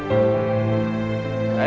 baik baik baik